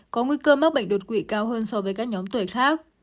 có nguy cơ mắc bệnh đột quỵ cao hơn so với các nhóm tuổi khác